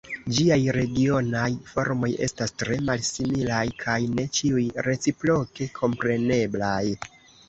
Ĝiaj regionaj formoj estas tre malsimilaj kaj ne ĉiuj reciproke kompreneblaj.